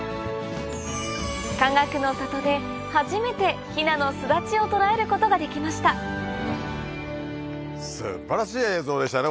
かがくの里で初めてヒナの巣立ちを捉えることができました素晴らしい映像でしたね